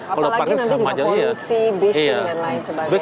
apalagi nanti juga polusi bisnis dan lain sebagainya